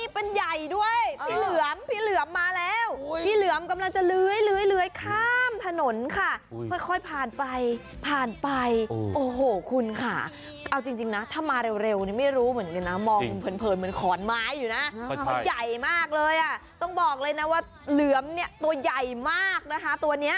พลเมืองดีก็ต้องเข้ามาช่วยเหลือค่ะ